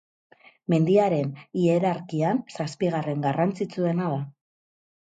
Mendiaren hierarkian zazpigarren garrantzitsuena da.